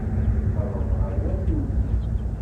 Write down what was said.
Nqerreb ɣer wanu-nni.